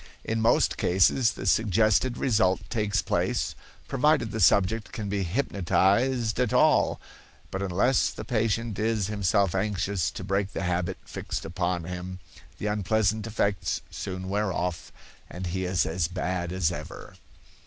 In most cases the suggested result takes place, provided the subject can be hypnotized al all; but unless the patient is himself anxious to break the habit fixed upon him, the unpleasant effects soon wear off and he is as bad as ever.